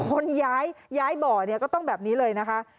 คนย้ายบ่อเนี่ยก็ต้องแบบนี้เลยนะคะ